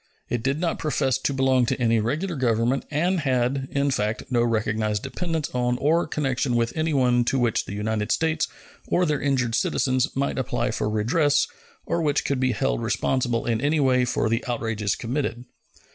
It did not profess to belong to any regular government, and had, in fact, no recognized dependence on or connection with anyone to which the United States or their injured citizens might apply for redress or which could be held responsible in any way for the outrages committed.